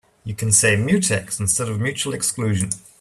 You can say mutex instead of mutual exclusion.